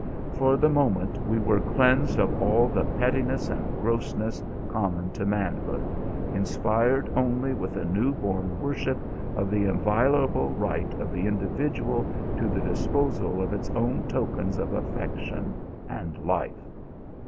For the moment we were cleansed of all the pettiness and grossness common to manhood, inspired only with a new born worship of the inviolable right of the individual to the disposal of its own tokens of affection and life.